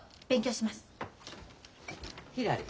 ひらり。